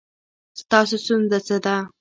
ستاسو څه ستونزه ده؟